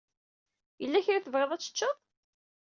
Yella kra i tebɣiḍ ad teččeḍ?